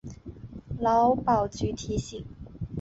劳保局提醒